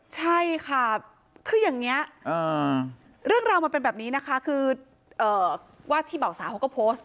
ใช่ค่ะคืออย่างนี้เรื่องราวมันเป็นแบบนี้นะคะคือว่าที่เบาสาวเขาก็โพสต์